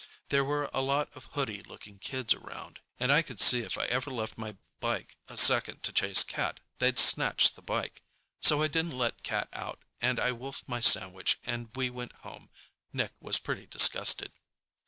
There were a lot of hoody looking kids around, and I could see if I ever left my bike a second to chase Cat, they'd snatch the bike. So I didn't let Cat out, and I wolfed my sandwich and we went home. Nick was pretty disgusted.